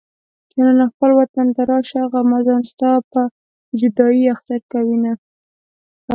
جانانه خپل وطن ته راشه غمازان ستا په جدايۍ اختر کوينه